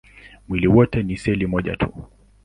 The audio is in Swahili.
Mwili wote ni seli moja tu.